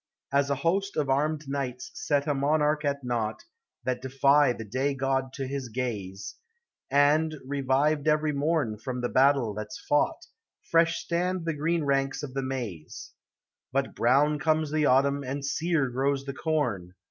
As a host of armed knights set a monarch at naught, TREES: FLOWERS: PLANTS. 269 That defy the day god to his gaze, And, revived every morn from the battle that's fought, Fresh stand the green ranks of the maize! But brown comes the autumn, and sear grows the corn.